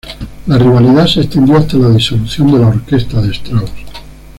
La rivalidad se extendió hasta la disolución de la Orquesta de Strauss.